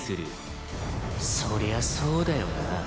「そりゃそうだよな」